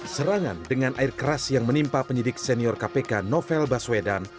serangan dengan air keras yang menimpa penyidik senior kpk novel baswedan